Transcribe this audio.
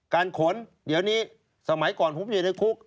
การขนเดี๋ยวนี้สมัยก่อนผมอยู่ในคุก